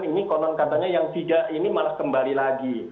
ini konon katanya yang tidak ini malah kembali lagi